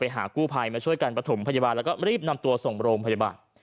หากู้ภัยมาช่วยกันประถมพยาบาลแล้วก็รีบนำตัวส่งโรงพยาบาล